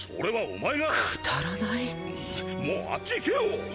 もうあっち行けよ！